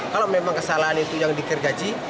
kalau memang kesalahan itu yang di gergaji